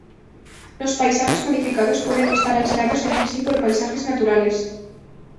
Los paisajes modificados pueden estar aislados entre sí por paisajes naturales.